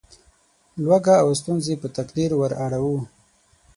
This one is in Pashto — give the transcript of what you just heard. لوږه او ستونزې په تقدیر وراړوو.